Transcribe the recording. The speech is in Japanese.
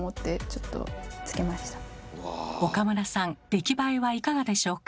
出来栄えはいかがでしょうか？